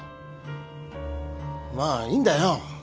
まあいいんだよ！